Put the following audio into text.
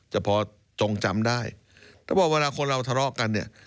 จะพอจงจำได้แล้วบอกเวลาคนเราทะเลาะกันเนี่ย